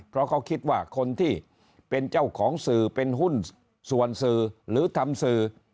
เพราะเขาคิดว่าคนที่เป็นเจ้าของสื่อเป็นหุ้นส่วนสื่อหรือทำสื่อ